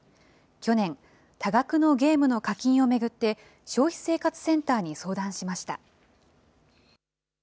去年、多額のゲームの課金を巡って、消費生活センターに相談しました。